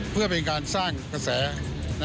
เพื่อเป็นการสร้างแผ่นแสน